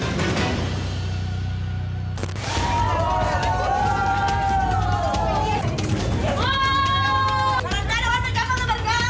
lama lama kita bergaya